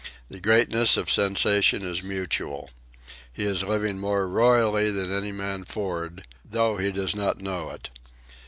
The greatness of sensation is mutual. He is living more royally than any man for'ard, though he does not know it.